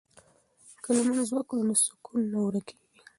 که لمونځ وکړو نو سکون نه ورکيږي.